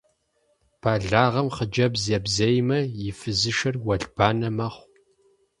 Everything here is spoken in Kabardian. Бэлагъым хъыджэбз ебзеймэ, и фызышэр уэлбанэ мэхъу.